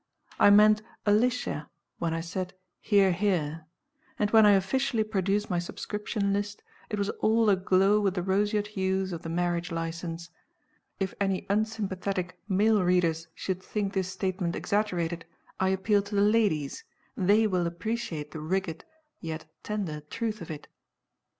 I meant "Alicia" when I said "hear, hear" and when I officially produced my subscription list, it was all aglow with the roseate hues of the marriage license. If any unsympathetic male readers should think this statement exaggerated, I appeal to the ladies they will appreciate the rigid, yet tender, truth of it.